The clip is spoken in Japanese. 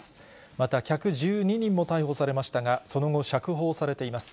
また客１２人も逮捕されましたが、その後、釈放されています。